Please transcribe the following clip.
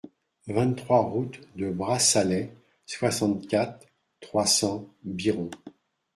vingt-trois route de Brassalay, soixante-quatre, trois cents, Biron